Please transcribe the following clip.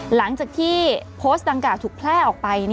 หลังจากที่โพสต์ดังกล่าวถูกแพร่ออกไป